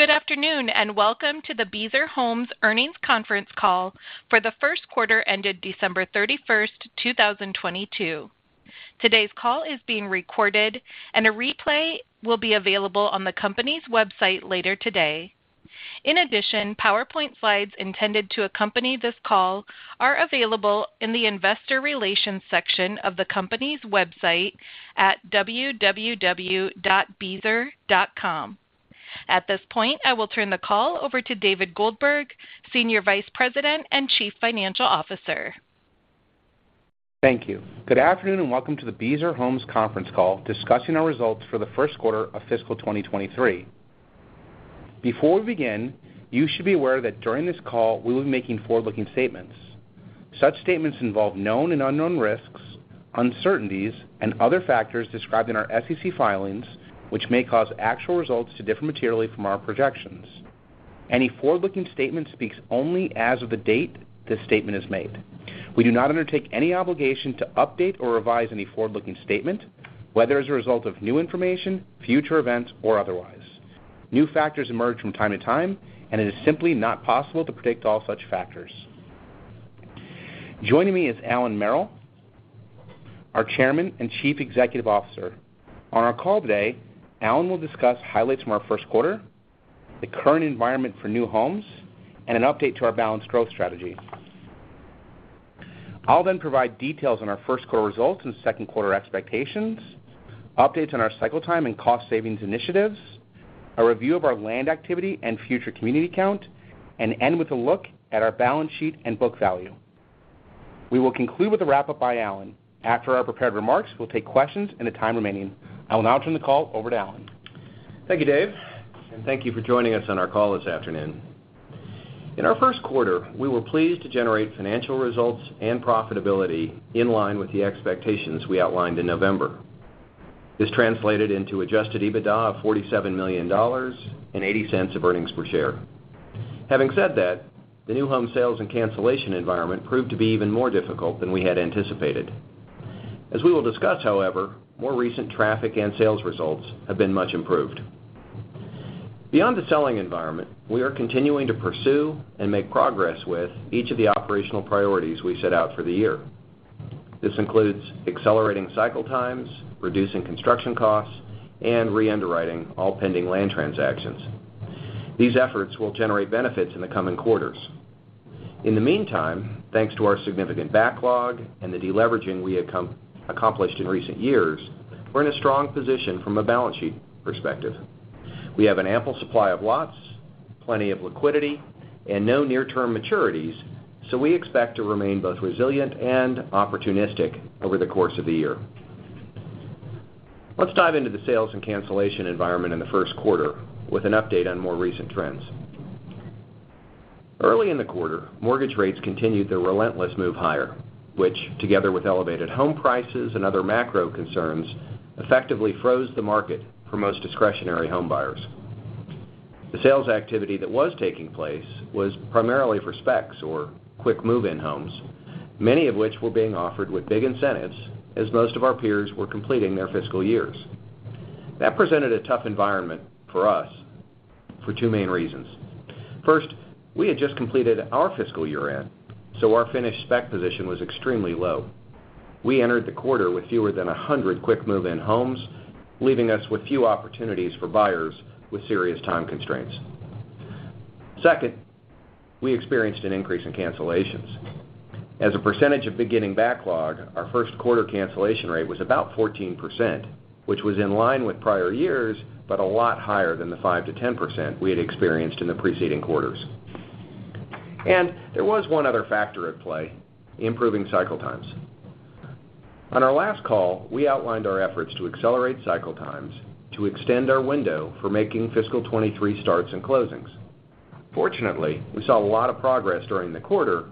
Good afternoon, and welcome to the Beazer Homes Earnings Conference Call for the first quarter ended 31st December 2022. Today's call is being recorded, and a replay will be available on the company's website later today. In addition, PowerPoint slides intended to accompany this call are available in the Investor Relations section of the company's website at www.beazer.com. At this point, I will turn the call over to David Goldberg, Senior Vice President and Chief Financial Officer. Thank you. Welcome to the Beazer Homes conference call discussing our results for the first quarter of fiscal 2023. Before we begin, you should be aware that during this call, we will be making forward-looking statements. Such statements involve known and unknown risks, uncertainties, and other factors described in our SEC filings, which may cause actual results to differ materially from our projections. Any forward-looking statement speaks only as of the date this statement is made. We do not undertake any obligation to update or revise any forward-looking statement, whether as a result of new information, future events, or otherwise. New factors emerge from time to time. It is simply not possible to predict all such factors. Joining me is Allan Merrill, our Chairman and Chief Executive Officer. On our call today, Allan will discuss highlights from our first quarter, the current environment for new homes, and an update to our balanced growth strategy. I'll then provide details on our first quarter results and second quarter expectations, updates on our cycle time and cost savings initiatives, a review of our land activity and future community count, and end with a look at our balance sheet and book value. We will conclude with a wrap-up by Allan. After our prepared remarks, we'll take questions in the time remaining. I will now turn the call over to Allan. Thank you, Dave. Thank you for joining us on our call this afternoon. In our first quarter, we were pleased to generate financial results and profitability in line with the expectations we outlined in November. This translated into adjusted EBITDA of $47 million and $0.80 of earnings per share. Having said that, the new home sales and cancellation environment proved to be even more difficult than we had anticipated. As we will discuss, however, more recent traffic and sales results have been much improved. Beyond the selling environment, we are continuing to pursue and make progress with each of the operational priorities we set out for the year. This includes accelerating cycle times, reducing construction costs, and re-underwriting all pending land transactions. These efforts will generate benefits in the coming quarters. In the meantime, thanks to our significant backlog and the deleveraging we have accomplished in recent years, we're in a strong position from a balance sheet perspective. We have an ample supply of lots, plenty of liquidity, and no near-term maturities. We expect to remain both resilient and opportunistic over the course of the year. Let's dive into the sales and cancellation environment in the first quarter with an update on more recent trends. Early in the quarter, mortgage rates continued their relentless move higher, which together with elevated home prices and other macro concerns, effectively froze the market for most discretionary home buyers. The sales activity that was taking place was primarily for specs or quick move-in homes, many of which were being offered with big incentives as most of our peers were completing their fiscal years. That presented a tough environment for us for two main reasons. First, we had just completed our fiscal year-end, so our finished spec position was extremely low. We entered the quarter with fewer than 100 quick move-in homes, leaving us with few opportunities for buyers with serious time constraints. Second, we experienced an increase in cancellations. As a percentage of beginning backlog, our first quarter cancellation rate was about 14%, which was in line with prior years, but a lot higher than the 5%-10% we had experienced in the preceding quarters. There was one other factor at play, improving cycle times. On our last call, we outlined our efforts to accelerate cycle times to extend our window for making fiscal 23 starts and closings. Fortunately, we saw a lot of progress during the quarter,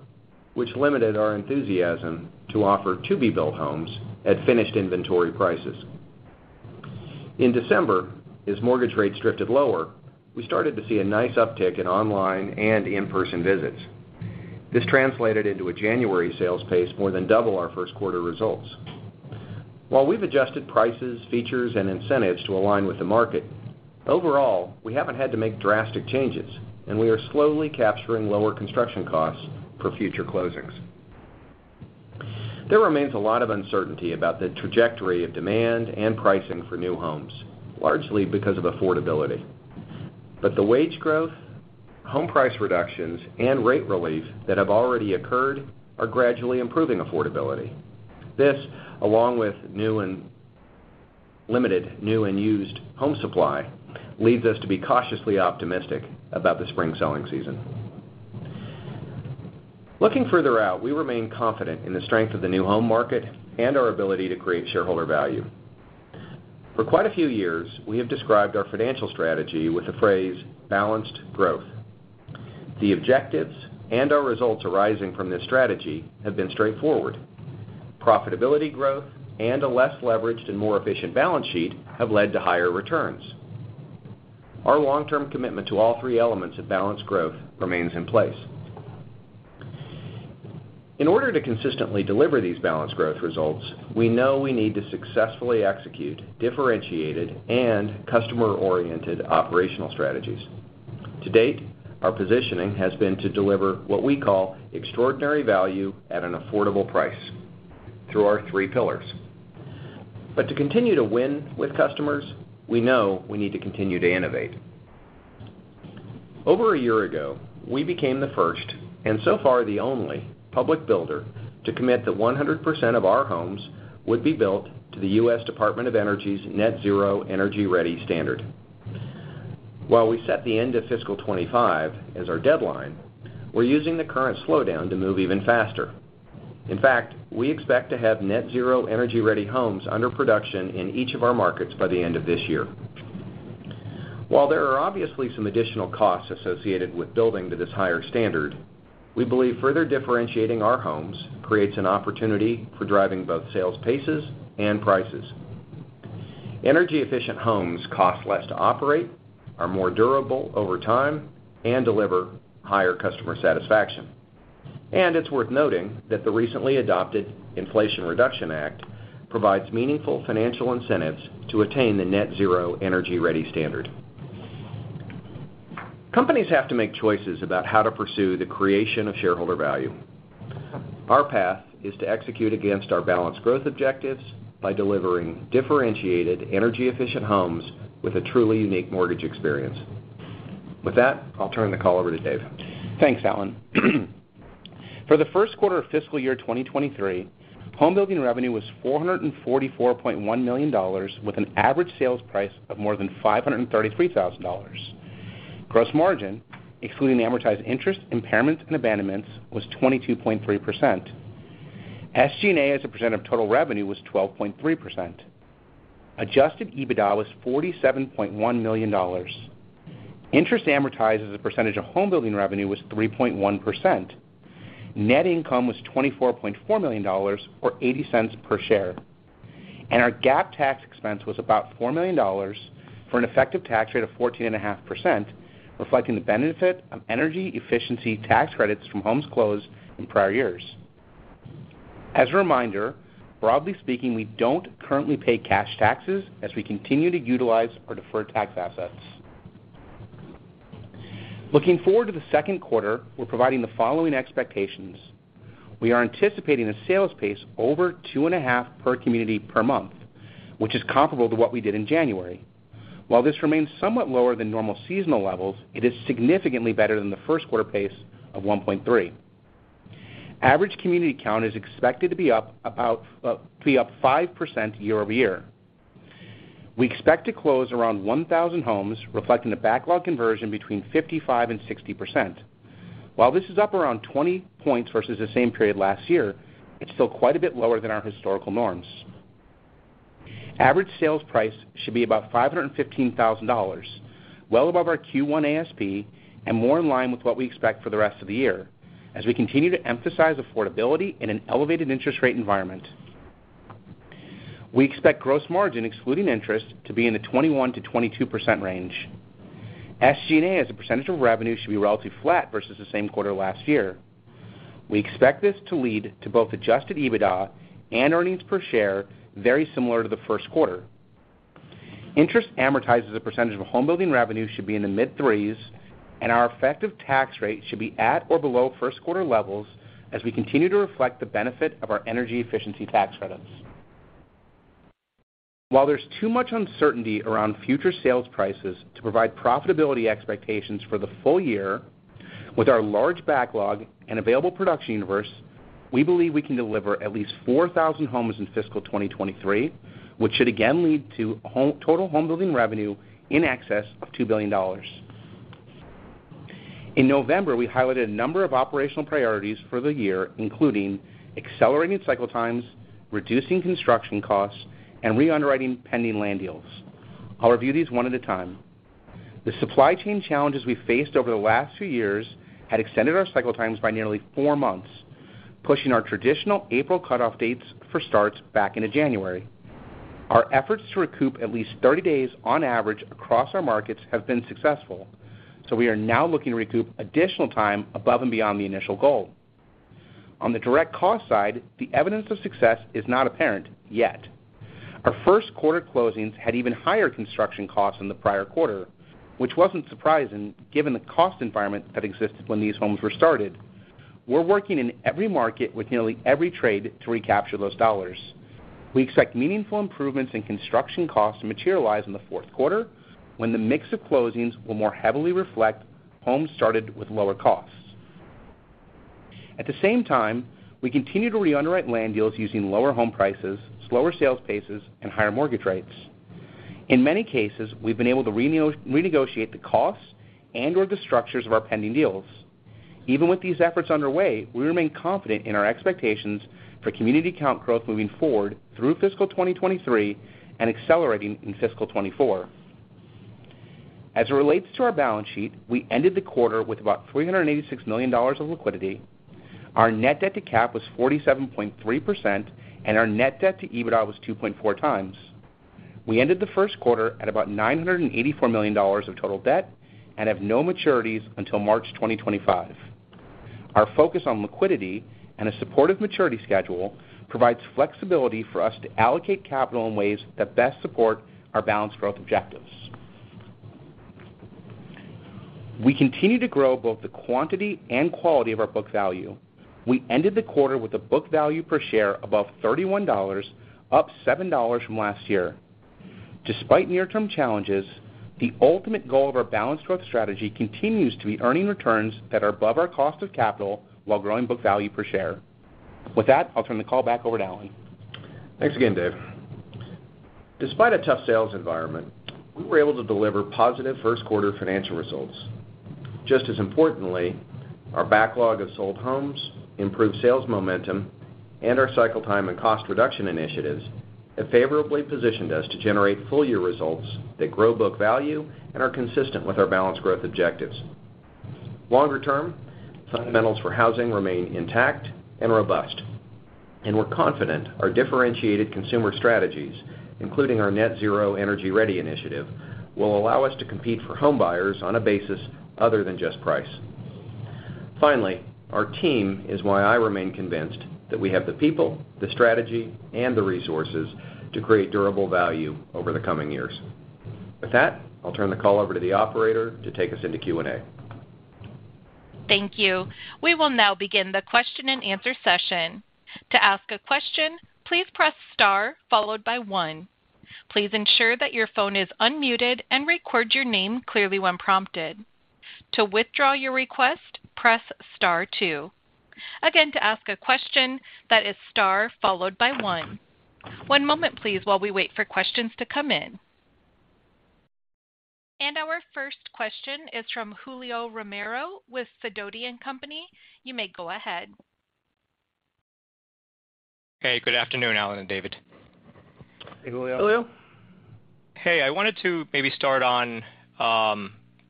which limited our enthusiasm to offer to-be built homes at finished inventory prices. In December, as mortgage rates drifted lower, we started to see a nice uptick in online and in-person visits. This translated into a January sales pace more than double our first quarter results. While we've adjusted prices, features, and incentives to align with the market, overall, we haven't had to make drastic changes, and we are slowly capturing lower construction costs for future closings. There remains a lot of uncertainty about the trajectory of demand and pricing for new homes, largely because of affordability. The wage growth, home price reductions, and rate relief that have already occurred are gradually improving affordability. This, along with new and limited new and used home supply, leads us to be cautiously optimistic about the spring selling season. Looking further out, we remain confident in the strength of the new home market and our ability to create shareholder value. For quite a few years, we have described our financial strategy with the phrase balanced growth. The objectives and our results arising from this strategy have been straightforward. Profitability growth and a less leveraged and more efficient balance sheet have led to higher returns. Our long-term commitment to all three elements of balanced growth remains in place. In order to consistently deliver these balanced growth results, we know we need to successfully execute differentiated and customer-oriented operational strategies. To date, our positioning has been to deliver what we call extraordinary value at an affordable price through our three pillars. To continue to win with customers, we know we need to continue to innovate. Over a year ago, we became the first, and so far, the only public builder to commit that 100% of our homes would be built to the U.S. Department of Energy's, Net Zero Energy Ready standard. While we set the end of fiscal 25 as our deadline, we're using the current slowdown to move even faster. In fact, we expect to have Net Zero Energy Ready homes under production in each of our markets by the end of this year. While there are obviously some additional costs associated with building to this higher standard, we believe further differentiating our homes creates an opportunity for driving both sales paces and prices. Energy-efficient homes cost less to operate, are more durable over time, and deliver higher customer satisfaction. It's worth noting that the recently adopted Inflation Reduction Act provides meaningful financial incentives to attain the Net Zero Energy Ready standard. Companies have to make choices about how to pursue the creation of shareholder value. Our path is to execute against our balanced growth objectives by delivering differentiated energy-efficient homes with a truly unique mortgage experience. With that, I'll turn the call over to Dave. Thanks, Allan. For the first quarter of fiscal year 2023, home building revenue was $444.1 million with an average sales price of more than $533,000. Gross margin, excluding the amortized interest, impairments, and abandonments, was 22.3%. SG&A as a percent of total revenue was 12.3%. Adjusted EBITDA was $47.1 million. Interest amortized as a percentage of home building revenue was 3.1%. Net income was $24.4 million or $0.80 per share. Our GAAP tax expense was about $4 million for an effective tax rate of 14.5%, reflecting the benefit of energy efficiency tax credits from homes closed in prior years. As a reminder, broadly speaking, we don't currently pay cash taxes as we continue to utilize our deferred tax assets. Looking forward to the second quarter, we're providing the following expectations. We are anticipating a sales pace over 2.5 per community per month, which is comparable to what we did in January. While this remains somewhat lower than normal seasonal levels, it is significantly better than the first quarter pace of 1.3. Average community count is expected to be up 5% year-over-year. We expect to close around 1,000 homes, reflecting the backlog conversion between 55% and 60%. While this is up around 20 points versus the same period last year, it's still quite a bit lower than our historical norms. Average sales price should be about $515,000, well above our Q1 ASP and more in line with what we expect for the rest of the year as we continue to emphasize affordability in an elevated interest rate environment. We expect gross margin excluding interest to be in the 21%-22% range. SG&A as a percentage of revenue should be relatively flat versus the same quarter last year. We expect this to lead to both adjusted EBITDA and earnings per share very similar to the first quarter. Interest amortized as a percentage of home building revenue should be in the mid 3s, and our effective tax rate should be at or below first quarter levels as we continue to reflect the benefit of our energy efficiency tax credits. While there's too much uncertainty around future sales prices to provide profitability expectations for the full-year, with our large backlog and available production universe, we believe we can deliver at least 4,000 homes in fiscal 2023, which should again lead to total home building revenue in excess of $2 billion. In November, we highlighted a number of operational priorities for the year, including accelerating cycle times, reducing construction costs, and re-underwriting pending land deals. I'll review these one at a time. The supply chain challenges we faced over the last few years had extended our cycle times by nearly four months, pushing our traditional April cutoff dates for starts back into January. Our efforts to recoup at least 30 days on average across our markets have been successful. We are now looking to recoup additional time above and beyond the initial goal. On the direct cost side, the evidence of success is not apparent yet. Our first quarter closings had even higher construction costs than the prior quarter, which wasn't surprising given the cost environment that existed when these homes were started. We're working in every market with nearly every trade to recapture those dollars. We expect meaningful improvements in construction costs to materialize in the fourth quarter when the mix of closings will more heavily reflect homes started with lower costs. At the same time, we continue to re-underwrite land deals using lower home prices, slower sales paces, and higher mortgage rates. In many cases, we've been able to renegotiate the costs and/or the structures of our pending deals. Even with these efforts underway, we remain confident in our expectations for community count growth moving forward through fiscal 2023 and accelerating in fiscal 2024. As it relates to our balance sheet, we ended the quarter with about $386 million of liquidity. Our net debt to capitalization was 47.3%, and our net debt to EBITDA was 2.4x. We ended the first quarter at about $984 million of total debt and have no maturities until March 2025. Our focus on liquidity and a supportive maturity schedule provides flexibility for us to allocate capital in ways that best support our balanced growth objectives. We continue to grow both the quantity and quality of our book value. We ended the quarter with a book value per share above $31, up $7 from last year. Despite near-term challenges, the ultimate goal of our balanced growth strategy continues to be earning returns that are above our cost of capital while growing book value per share. With that, I'll turn the call back over to Allan. Thanks again, Dave. Despite a tough sales environment, we were able to deliver positive first-quarter financial results. Just as importantly, our backlog of sold homes, improved sales momentum, and our cycle time and cost reduction initiatives have favorably positioned us to generate full-year results that grow book value and are consistent with our balanced growth objectives. Longer term, fundamentals for housing remain intact and robust, and we're confident our differentiated consumer strategies, including our Net Zero Energy Ready initiative, will allow us to compete for home buyers on a basis other than just price. Finally, our team is why I remain convinced that we have the people, the strategy, and the resources to create durable value over the coming years. With that, I'll turn the call over to the operator to take us into Q&A. Thank you. We will now begin the question-and-answer session. To ask a question, please press star followed by one. Please ensure that your phone is unmuted and record your name clearly when prompted. To withdraw your request, press star two. Again, to ask a question, that is star followed by one. One moment, please, while we wait for questions to come in. Our first question is from Julio Romero with Sidoti & Company. You may go ahead. Hey, good afternoon, Allan and David. Hey, Julio. Julio. I wanted to maybe start on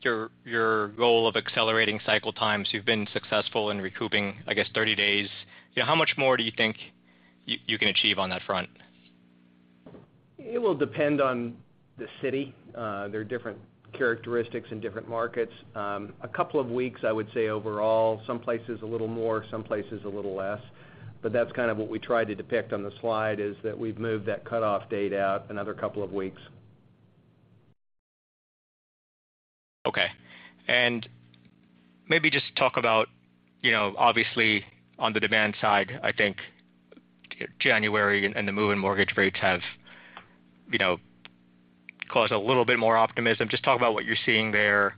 your goal of accelerating cycle times. You've been successful in recouping, I guess, 30 days. How much more do you think you can achieve on that front? It will depend on the city. There are different characteristics in different markets. A couple of weeks, I would say overall, some places a little more, some places a little less. That's kind of what we try to depict on the slide is that we've moved that cutoff date out another couple of weeks. Okay. Maybe just talk about, obviously, on the demand side, I think January and the move in mortgage rates have, caused a little bit more optimism. Just talk about what you're seeing there,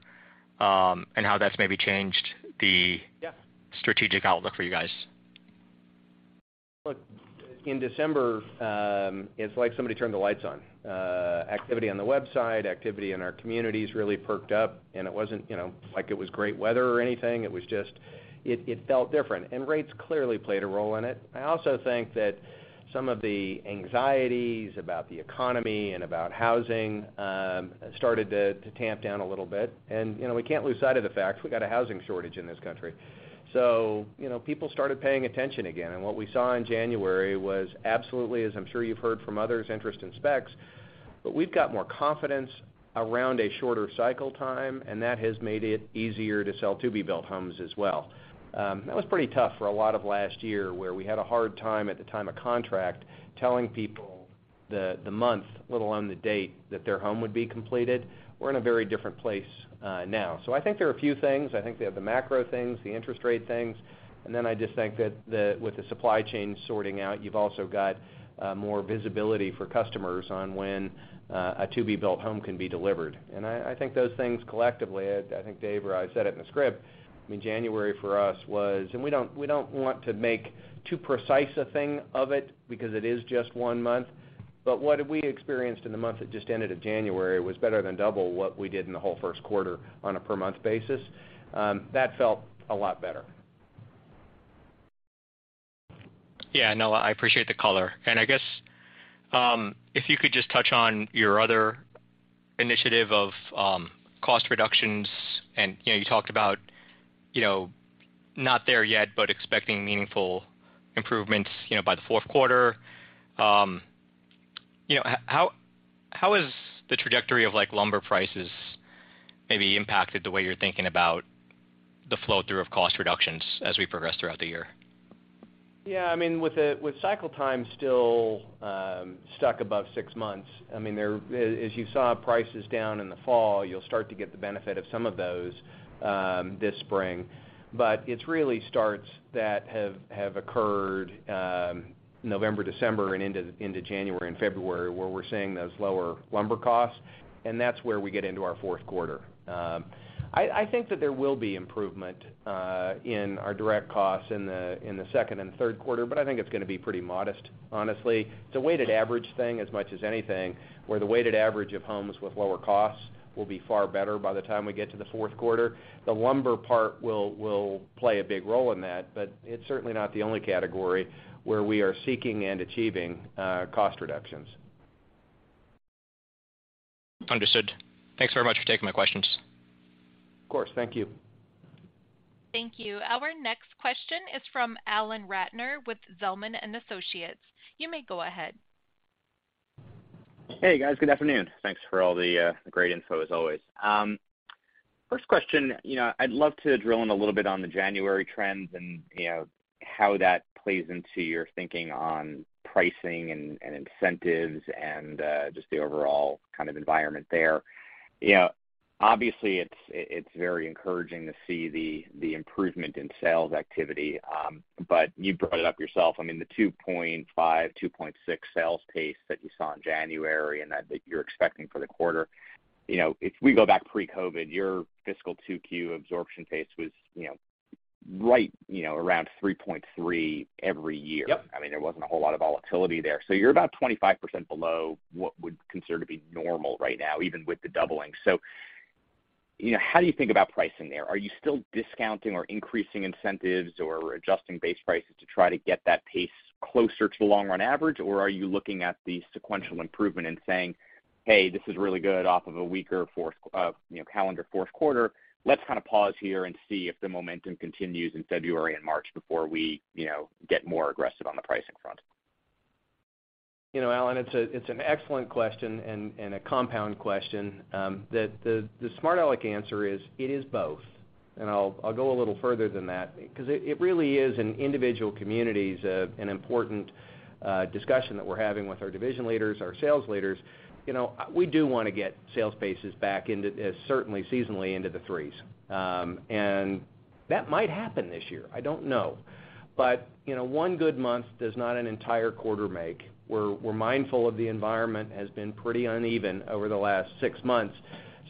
and how that's maybe changed. Yeah. strategic outlook for you guys. Look, in December, it's like somebody turned the lights on. Activity on the website, activity in our communities really perked up, it wasn't, like it was great weather or anything. It just felt different, rates clearly played a role in it. I also think that some of the anxieties about the economy and about housing started to tamp down a little bit. You know, we can't lose sight of the fact we got a housing shortage in this country. You know, people started paying attention again. What we saw in January was absolutely, as I'm sure you've heard from others, interest in specs, but we've got more confidence around a shorter cycle time, and that has made it easier to sell to-be-built homes as well. that was pretty tough for a lot of last year, where we had a hard time at the time of contract telling people the month, let alone the date, that their home would be completed. We're in a very different place now. I think there are a few things. I think they have the macro things, the interest rate things, and then I just think that with the supply chain sorting out, you've also got more visibility for customers on when a to-be-built home can be delivered. I think those things collectively, I think Dave or I said it in the script, I mean, January for us we don't want to make too precise a thing of it because it is just one month. What we experienced in the month that just ended of January was better than double what we did in the whole first quarter on a per-month basis. That felt a lot better. Yeah. No, I appreciate the color. I guess, if you could just touch on your other initiative of cost reductions and, you talked about, not there yet, but expecting meaningful improvements, by the fourth quarter. You know, how has the trajectory of like lumber prices maybe impacted the way you're thinking about the flow-through of cost reductions as we progress throughout the year? Yeah. I mean, with cycle time still stuck above six months, I mean, as you saw prices down in the fall, you'll start to get the benefit of some of those this spring. It really starts that have occurred November, December, and into January and February, where we're seeing those lower lumber costs, and that's where we get into our fourth quarter. I think that there will be improvement in our direct costs in the second and third quarter, but I think it's gonna be pretty modest, honestly. It's a weighted average thing as much as anything, where the weighted average of homes with lower costs will be far better by the time we get to the fourth quarter. The lumber part will play a big role in that, but it's certainly not the only category where we are seeking and achieving cost reductions. Understood. Thanks very much for taking my questions. Of course. Thank you. Thank you. Our next question is from Alan Ratner with Zelman & Associates. You may go ahead. Hey, guys. Good afternoon. Thanks for all the great info as always. First question, I'd love to drill in a little bit on the January trends and, you know, how that plays into your thinking on pricing and incentives and, just the overall kind of environment there. You know, obviously it's very encouraging to see the improvement in sales activity, but you brought it up yourself, I mean, the 2.5, 2.6 sales pace that you saw in January and that you're expecting for the quarter, if we go back pre-COVID, your fiscal 2Q absorption pace was, right, around 3.3 every year. Yep. I mean, there wasn't a whole lot of volatility there. You're about 25% below what would consider to be normal right now, even with the doubling. You know, how do you think about pricing there? Are you still discounting or increasing incentives or adjusting base prices to try to get that pace closer to the long run average? Are you looking at the sequential improvement and saying, "Hey, this is really good off of a weaker fourth, calendar fourth quarter. Let's kind of pause here and see if the momentum continues in February and March before we, get more aggressive on the pricing front. You know, Alan, it's an excellent question and a compound question, that the smart aleck answer is, it is both. I'll go a little further than that because it really is in individual communities, an important discussion that we're having with our division leaders, our sales leaders. You know, we do wanna get sales paces back into, certainly seasonally into the threes. That might happen this year. I don't know. You know, one good month does not an entire quarter make. We're mindful of the environment has been pretty uneven over the last six months.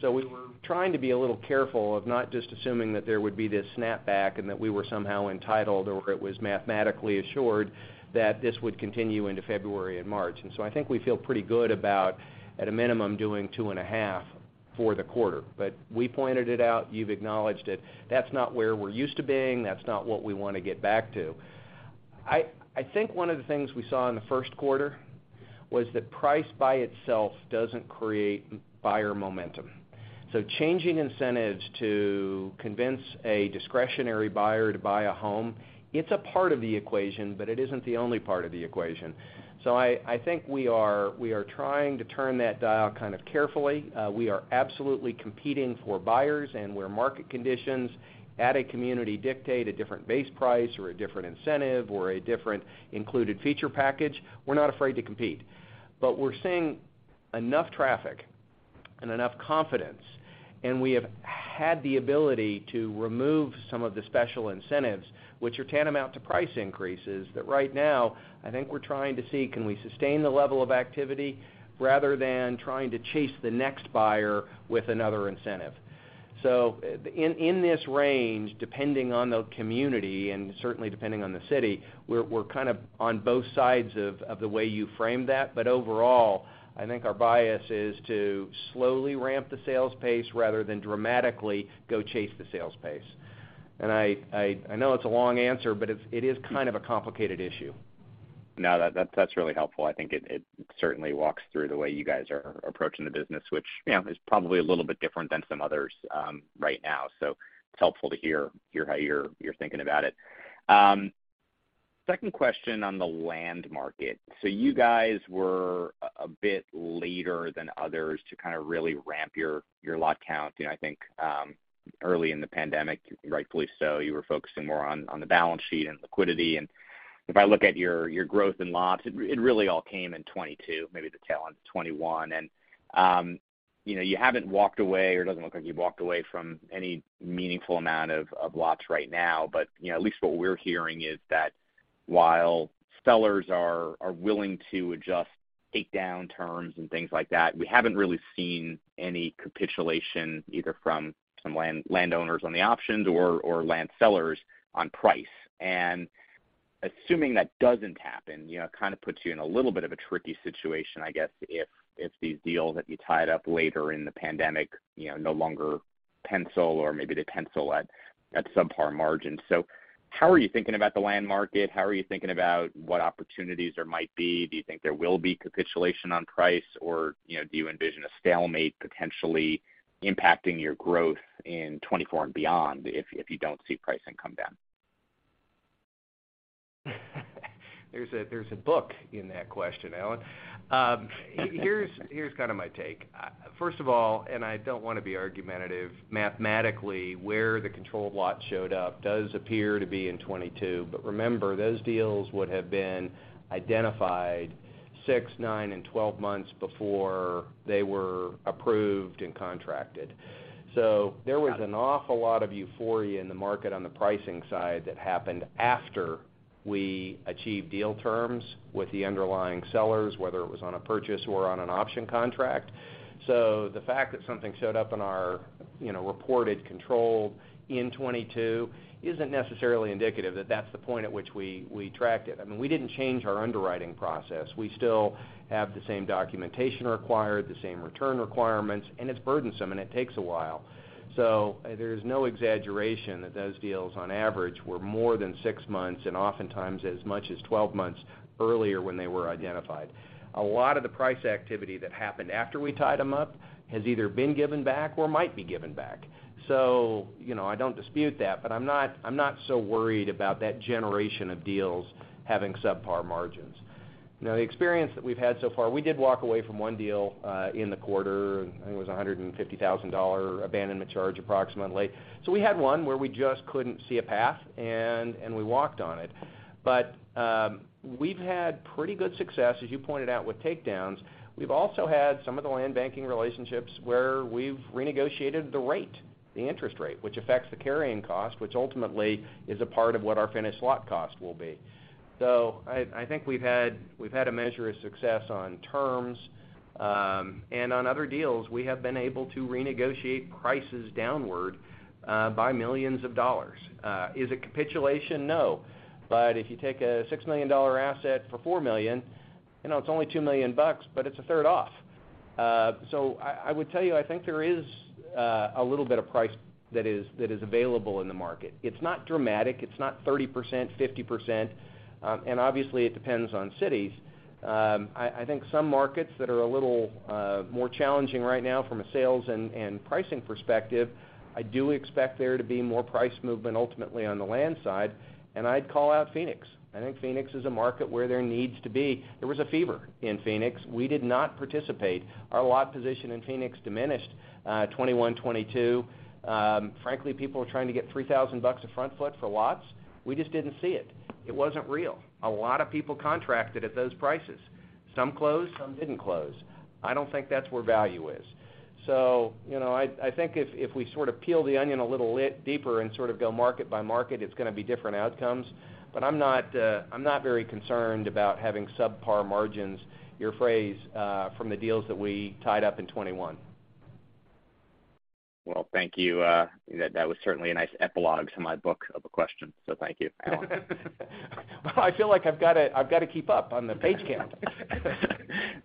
We were trying to be a little careful of not just assuming that there would be this snapback and that we were somehow entitled or it was mathematically assured that this would continue into February and March. I think we feel pretty good about, at a minimum, doing two and a half for the quarter. We pointed it out, you've acknowledged it. That's not where we're used to being. That's not what we wanna get back to. I think one of the things we saw in the first quarter was that price by itself doesn't create buyer momentum. Changing incentives to convince a discretionary buyer to buy a home, it's a part of the equation, but it isn't the only part of the equation. I think we are trying to turn that dial kind of carefully. We are absolutely competing for buyers and where market conditions at a community dictate a different base price or a different incentive or a different included feature package, we're not afraid to compete. We're seeing enough traffic and enough confidence, and we have had the ability to remove some of the special incentives, which are tantamount to price increases, that right now I think we're trying to see, can we sustain the level of activity rather than trying to chase the next buyer with another incentive. In this range, depending on the community and certainly depending on the city, we're kind of on both sides of the way you framed that. Overall, I think our bias is to slowly ramp the sales pace rather than dramatically go chase the sales pace. I know it is kind of a complicated issue. No. That's really helpful. I think it certainly walks through the way you guys are approaching the business, which, is probably a little bit different than some others right now. It's helpful to hear how you're thinking about it. Second question on the land market. You guys were a bit later than others to kind of really ramp your lot count. You know, I think, early in the pandemic, rightfully so, you were focusing more on the balance sheet and liquidity. If I look at your growth in lots, it really all came in 22, maybe the tail end of 21. You know, you haven't walked away or doesn't look like you've walked away from any meaningful amount of lots right now. You know, at least what we're hearing is that while sellers are willing to adjust take-down terms and things like that, we haven't really seen any capitulation either from some land, landowners on the options or land sellers on price. Assuming that doesn't happen, it kind of puts you in a little bit of a tricky situation, I guess, if these deals that you tied up later in the pandemic, no longer pencil or maybe they pencil at subpar margins. How are you thinking about the land market? How are you thinking about what opportunities there might be? Do you think there will be capitulation on price or, do you envision a stalemate potentially impacting your growth in 2024 and beyond if you don't see pricing come down? There's a book in that question, Alan. Here's kind of my take. First of all, I don't wanna be argumentative, mathematically, where the controlled lot showed up does appear to be in 22. Remember, those deals would have been identified six, nine and twelve months before they were approved and contracted. There was an awful lot of euphoria in the market on the pricing side that happened after we achieved deal terms with the underlying sellers, whether it was on a purchase or on an option contract. The fact that something showed up in our, reported control in 22 isn't necessarily indicative that that's the point at which we tracked it. I mean, we didn't change our underwriting process. We still have the same documentation required, the same return requirements, and it's burdensome and it takes a while. There is no exaggeration that those deals on average were more than six months, and oftentimes as much as twelve months earlier when they were identified. A lot of the price activity that happened after we tied them up has either been given back or might be given back. You know, I don't dispute that, but I'm not so worried about that generation of deals having subpar margins. Now, the experience that we've had so far, we did walk away from one deal in the quarter. I think it was a $150,000 abandonment charge, approximately. We had one where we just couldn't see a path, and we walked on it. We've had pretty good success, as you pointed out, with takedowns. We've also had some of the land banking relationships where we've renegotiated the rate, the interest rate, which affects the carrying cost, which ultimately is a part of what our finished lot cost will be. I think we've had a measure of success on terms, and on other deals, we have been able to renegotiate prices downward, by millions of dollars. Is it capitulation? No. If you take a $6 million asset for $4 million it's only $2 million, but it's a third off. I would tell you, I think there is a little bit of price that is, that is available in the market. It's not dramatic. It's not 30%-50%. Obviously, it depends on cities. I think some markets that are a little more challenging right now from a sales and pricing perspective, I do expect there to be more price movement ultimately on the land side, and I'd call out Phoenix. I think Phoenix is a market where there needs to be. There was a fever in Phoenix. We did not participate. Our lot position in Phoenix diminished 2021, 2022. Frankly, people were trying to get $3,000 a front foot for lots. We just didn't see it. It wasn't real. A lot of people contracted at those prices. Some closed, some didn't close. I don't think that's where value is. You know, I think if we sort of peel the onion a little deeper and sort of go market by market, it's gonna be different outcomes. I'm not very concerned about having subpar margins, your phrase, from the deals that we tied up in 21. Well, thank you. That was certainly a nice epilogue to my book of a question. Thank you, Alan. Well, I feel like I've gotta keep up on the page count.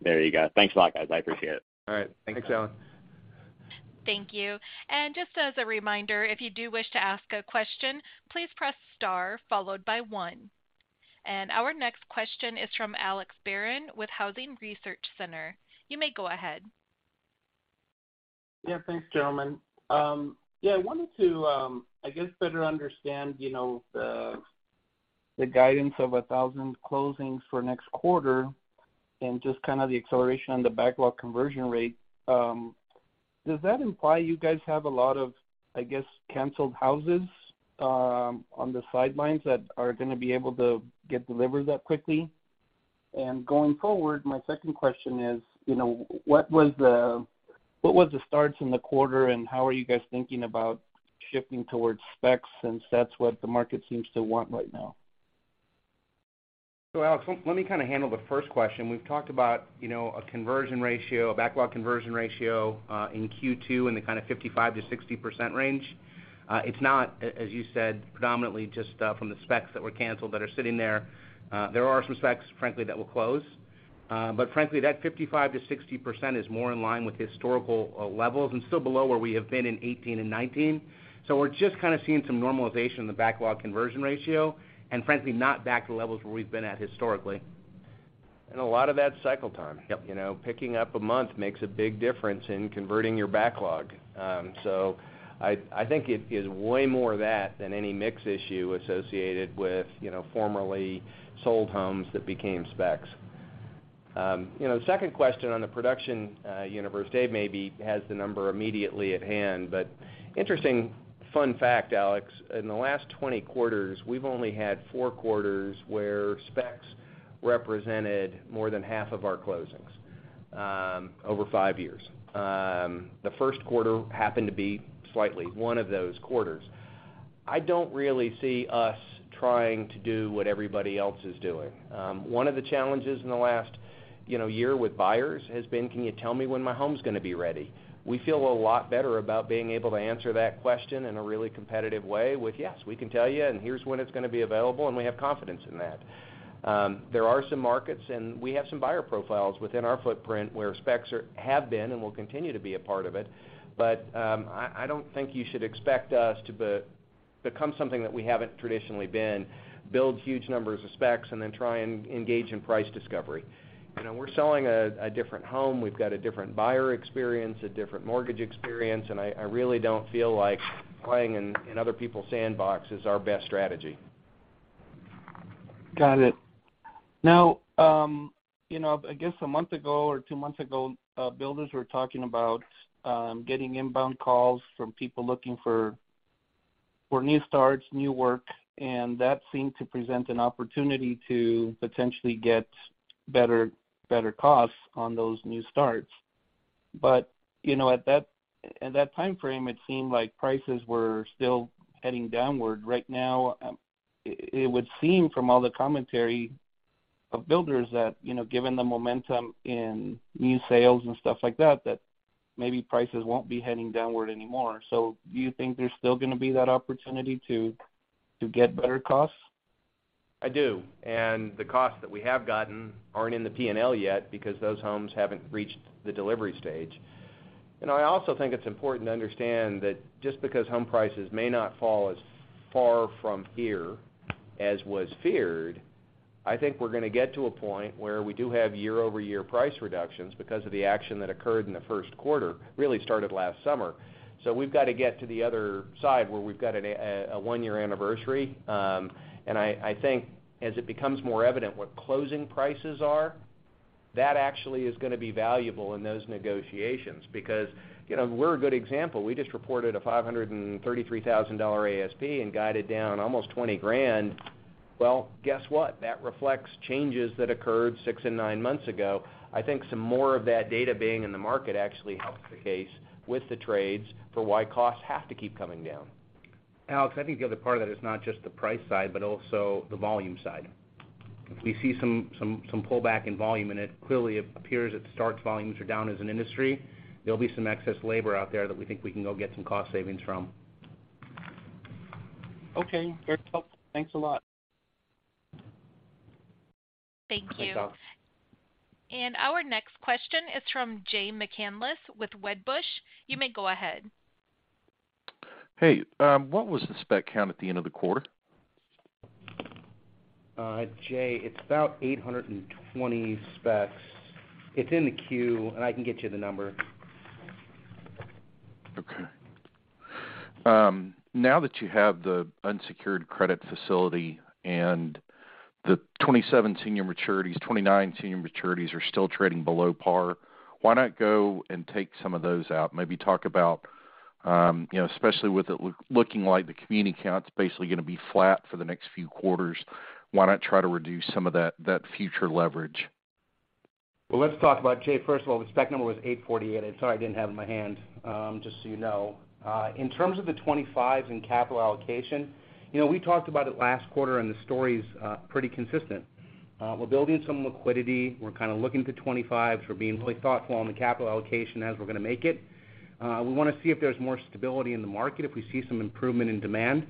There you go. Thanks a lot, guys. I appreciate it. All right. Thanks, Allan. Thank you. Just as a reminder, if you do wish to ask a question, please press star followed by one. Our next question is from Alex Barron with Housing Research Center. You may go ahead. Yeah. Thanks, gentlemen. Yeah, I wanted to, I guess, better understand, the guidance of 1,000 closings for next quarter and just kind of the acceleration on the backlog conversion rate. Does that imply you guys have a lot of, I guess, canceled houses on the sidelines that are gonna be able to get delivered that quickly? Going forward, my second question is, what was the starts in the quarter, and how are you guys thinking about shifting towards specs since that's what the market seems to want right now? Alex, let me kind of handle the first question. We've talked about, a conversion ratio, a backlog conversion ratio in Q2 in the kind of 55%-60% range. It's not, as you said, predominantly just from the specs that were canceled that are sitting there. There are some specs, frankly, that will close. Frankly, that 55%-60% is more in line with historical levels and still below where we have been in 2018 and 2019. We're just kind of seeing some normalization in the backlog conversion ratio, and frankly, not back to levels where we've been at historically. A lot of that's cycle time. Yep. You know, picking up a month makes a big difference in converting your backlog. I think it is way more that than any mix issue associated with, formerly sold homes that became specs. You know, second question on the production universe, David maybe has the number immediately at hand, but interesting fun fact, Alex Barron. In the last 20 quarters, we've only had fourth quarters where specs represented more than half of our closings, over five years. The first quarter happened to be slightly one of those quarters. I don't really see us trying to do what everybody else is doing. One of the challenges in the last, you know, year with buyers has been, can you tell me when my home's gonna be ready? We feel a lot better about being able to answer that question in a really competitive way with, yes, we can tell you, and here's when it's gonna be available, and we have confidence in that. There are some markets, and we have some buyer profiles within our footprint where specs are, have been and will continue to be a part of it. I don't think you should expect us to become something that we haven't traditionally been, build huge numbers of specs and then try and engage in price discovery. You know, we're selling a different home. We've got a different buyer experience, a different mortgage experience, and I really don't feel like playing in other people's sandbox is our best strategy. Got it. you know, I guess one month ago or two months ago, builders were talking about getting inbound calls from people looking for new starts, new work, and that seemed to present an opportunity to potentially get better costs on those new starts at that timeframe, it seemed like prices were still heading downward. it would seem from all the commentary of builders that given the momentum in new sales and stuff like that maybe prices won't be heading downward anymore. Do you think there's still gonna be that opportunity to get better costs? I do. The costs that we have gotten aren't in the P&L yet because those homes haven't reached the delivery stage. You know, I also think it's important to understand that just because home prices may not fall as far from here as was feared, I think we're gonna get to a point where we do have year-over-year price reductions because of the action that occurred in the first quarter, really started last summer. We've got to get to the other side where we've got a one-year anniversary. I think as it becomes more evident what closing prices are, that actually is gonna be valuable in those negotiations because, we're a good example. We just reported a $533,000 ASP and guided down almost $20 grand. Well, guess what? That reflects changes that occurred six and nine months ago. I think some more of that data being in the market actually helps the case with the trades for why costs have to keep coming down. Alex, I think the other part of that is not just the price side, but also the volume side. If we see some pullback in volume, it clearly appears that starts volumes are down as an industry, there'll be some excess labor out there that we think we can go get some cost savings from. Okay. Great help. Thanks a lot. Thank you. Thanks, Alex. Our next question is from Jay McCanless with Wedbush. You may go ahead. Hey, what was the spec count at the end of the quarter? Jay, it's about 820 specs. It's in the queue. I can get you the number. Okay. Now that you have the unsecured credit facility and the 27 senior maturities, 29 senior maturities are still trading below par, why not go and take some of those out? Maybe talk about, especially with it looking like the community count's basically gonna be flat for the next few quarters, why not try to reduce some of that future leverage? Well, let's talk about, Jay, first of all, the spec number was 848. I'm sorry I didn't have it in my hand, just so you know. In terms of the 25s and capital allocation, we talked about it last quarter and the story's pretty consistent. We're building some liquidity. We're kinda looking to 25s. We're being really thoughtful on the capital allocation as we're gonna make it. We wanna see if there's more stability in the market. If we see some improvement in demand,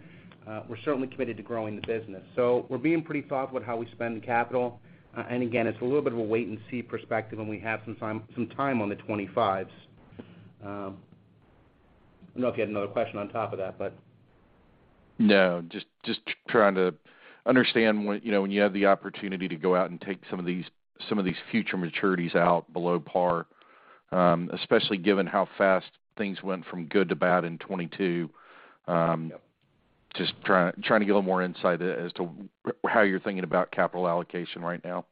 we're certainly committed to growing the business. We're being pretty thoughtful at how we spend the capital. Again, it's a little bit of a wait and see perspective, and we have some time on the 25s. I don't know if you had another question on top of that, but. No, just trying to understand when, you know, when you have the opportunity to go out and take some of these future maturities out below par, especially given how fast things went from good to bad in 2022. Yep. Just trying to get a little more insight as to how you're thinking about capital allocation right now.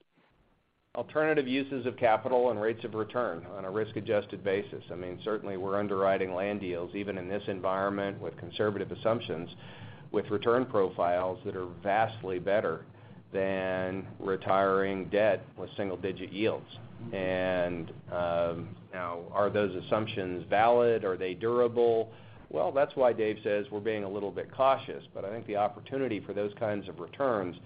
Alternative uses of capital and rates of return on a risk-adjusted basis. I mean, certainly we're underwriting land deals even in this environment with conservative assumptions, with return profiles that are vastly better than retiring debt with single-digit yields. Are those assumptions valid? Are they durable? Well, that's why Dave says we're being a little bit cautious, but I think the opportunity for those kinds of returns,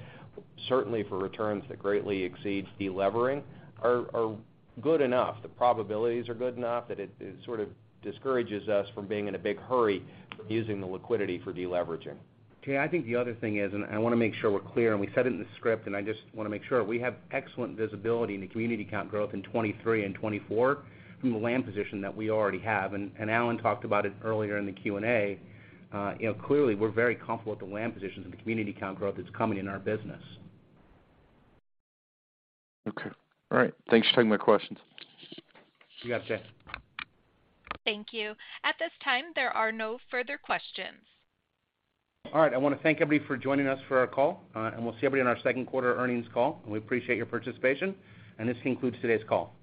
certainly for returns that greatly exceeds delevering, are good enough. The probabilities are good enough that it sort of discourages us from being in a big hurry using the liquidity for deleveraging. Okay. I think the other thing is, and I wanna make sure we're clear, and we said it in the script, and I just wanna make sure, we have excellent visibility in the community count growth in 2023 and 2024 from the land position that we already have. Allan talked about it earlier in the Q&A. You know, clearly, we're very comfortable with the land positions and the community count growth that's coming in our business. Okay. All right. Thanks for taking my questions. You got it, Jay. Thank you. At this time, there are no further questions. All right. I wanna thank everybody for joining us for our call. We'll see everybody on our second quarter earnings call. We appreciate your participation. This concludes today's call.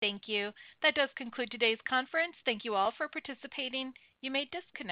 Thank you. That does conclude today's conference. Thank you all for participating. You may disconnect.